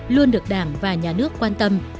luôn được đảng và nhà nước quan tâm